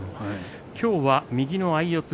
きょうは右の相四つ